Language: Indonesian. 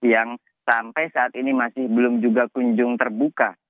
yang sampai saat ini masih belum juga kunjung terbuka